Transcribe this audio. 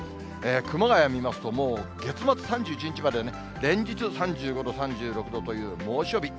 熊谷見ますと、もう月末３１日までね、連日３５度、３６度という猛暑日。